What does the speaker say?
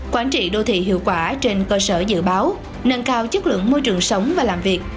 quản trị đô thị hiệu quả trên cơ sở dự báo nâng cao chất lượng môi trường sống và làm việc